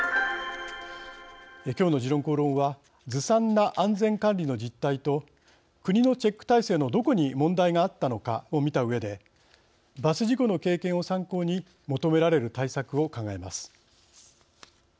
きょうの「時論公論」はずさんな安全管理の実態と国のチェック体制のどこに問題があったのかを見たうえでバス事故の経験を参考に求められる対策を考えます。